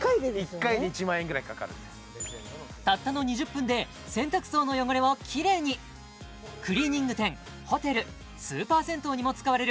１回で１万円ぐらいかかるんですたったの２０分で洗濯槽の汚れをキレイにクリーニング店ホテルスーパー銭湯にも使われる